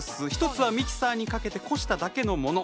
１つはミキサーにかけてこしただけのもの。